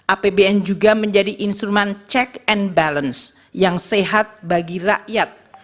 apbn juga menjadi instrumen check and balance yang sehat bagi rakyat